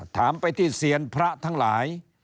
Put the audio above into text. ถามไปที่เซียนพระทั้งหลาย